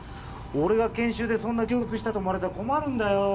俺が研修でそんな教育したと思われたら困るんだよ